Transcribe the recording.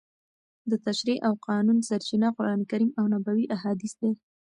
د تشریع او قانون سرچینه قرانکریم او نبوي احادیث دي.